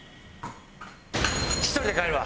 １人で帰るわ。